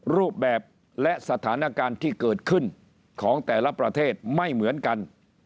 รูปแบบและสถานการณ์ที่เกิดขึ้นของแต่ละประเทศไม่เหมือนกัน